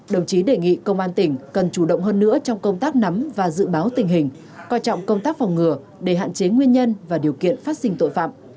đồng chí đề nghị công an tỉnh cần chủ động hơn nữa trong công tác nắm và dự báo tình hình coi trọng công tác phòng ngừa để hạn chế nguyên nhân và điều kiện phát sinh tội phạm